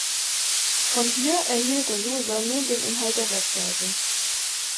Von hier erhielt der User nun den Inhalt der Website.